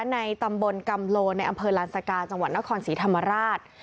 ในตำบลกำโลในอำเภอลานสกาจังหวัดนครศรีธรรมราช